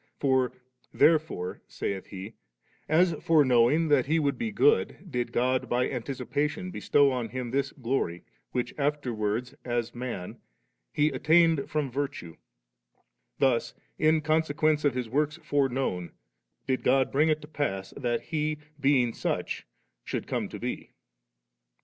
For 'therefore,' saith he, * as foreknowing that He would be good, did God by anticipation bestow on Him this glory, which afterwards, as man. He attained from virtue. Thus in consequence of His works fore known \ did God bring it to pass that He, being such, should come to be.* 6.